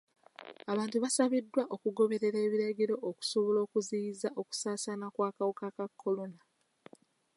Abantu basabiddwa okugoberera ebiragiro okusobola okuziyiza okusaasaana kw'akawuka ka kolona.